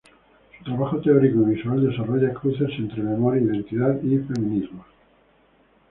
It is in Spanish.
Su trabajo teórico y visual desarrolla cruces entre memoria, identidad y feminismos.